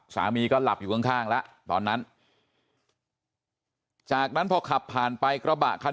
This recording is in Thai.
สามีก็หลับอยู่ข้างแล้วตอนนั้นจากนั้นพอขับผ่านไปกระบะคัน